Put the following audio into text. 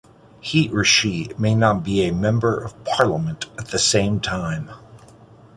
He or she may not be a Member of Parliament at the same time.